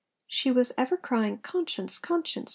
She was 'ever crying conscience, conscience!